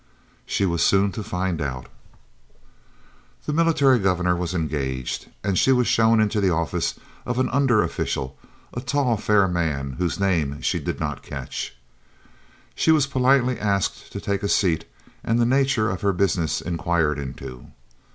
She was soon to find out. The Military Governor was engaged, and she was shown into the office of an under official, a tall, fair man whose name she did not catch. She was politely asked to take a seat and the nature of her business inquired into.